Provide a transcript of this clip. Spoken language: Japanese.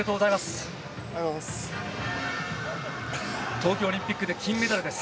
東京オリンピックで金メダルです。